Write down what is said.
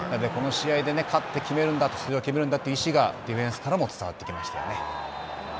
この試合で勝って、決めるんだと、出場を決めるんだという意思がディフェンスからも伝わってきまし